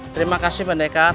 terima kasih pendekat